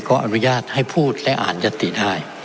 ก็อนุญาตให้พูดและอ่านยติได้